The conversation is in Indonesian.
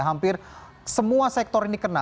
hampir semua sektor ini kena